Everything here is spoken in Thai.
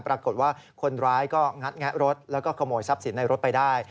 ปรากฏว่าคนร้ายก็งัดแงะรถแล้วก็ขโมยทรัพย์สินในรถไปได้